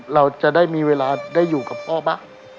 เราจะได้มีเวลาได้อยู่กับพ่อบ้าง